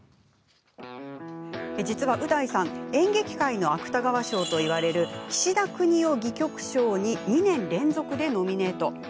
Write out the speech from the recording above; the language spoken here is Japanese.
実は、う大さん演劇界の芥川賞といわれる岸田國士戯曲賞に２年連続でノミネート。